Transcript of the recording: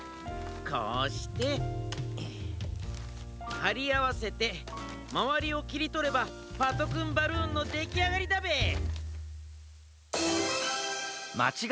こうしてはりあわせてまわりをきりとればパトくんバルーンのできあがりだべえ。